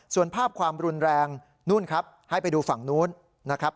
ส่วนภาพความรุนแรงนู่นครับให้ไปดูฝั่งนู้นนะครับ